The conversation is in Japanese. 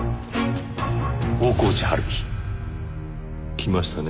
「大河内春樹」来ましたね